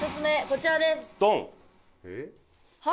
こちらです